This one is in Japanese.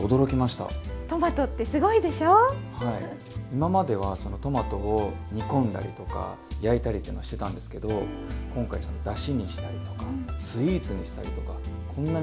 今まではそのトマトを煮込んだりとか焼いたりっていうのはしてたんですけど今回そのだしにしたりとかスイーツにしたりとかこんなにトマトの活用